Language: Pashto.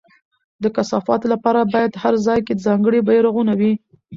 د کثافاتو لپاره باید په هر ځای کې ځانګړي بېرغونه وي.